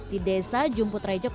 di desa jumputrejo